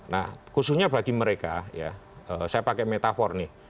nah khususnya bagi mereka ya saya pakai metafor nih